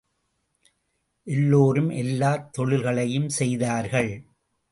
எல்லோரும், எல்லாத் தொழில்களையும் செய்தார்கள்.